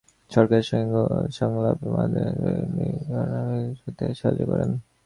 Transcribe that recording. সরকারের সঙ্গে সংলাপের মাধ্যমে ঐকমত্যে এসে গণতন্ত্রকে বিকশিত হতে সাহায্য করুন।